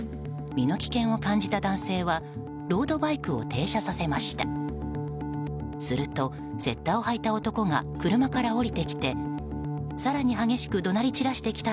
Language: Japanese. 身の危険を感じた男性はロードバイクを停車させました。